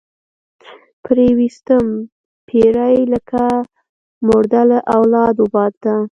پرې ويستم پيرۍ لکه مرده لۀ لاد وباده